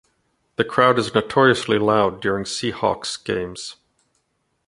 The crowd is notoriously loud during Seahawks games.